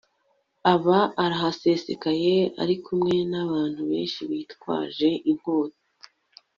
aba arahasesekaye ari kumwe n abantu benshi bitwaje inkota